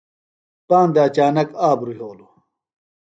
پاندہ اچانک آبرُوۡ یھولوۡ۔